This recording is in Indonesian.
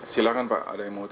silahkan pak ada yang mau